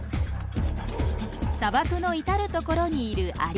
砂漠の至る所にいるアリ。